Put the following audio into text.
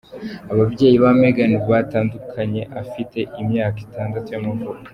Ababyeyi ba Meghan batandukanye afite imyaka itandatu y’amavuko.